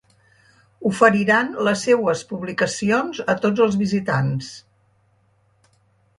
Oferiran les seues publicacions a tots els visitants.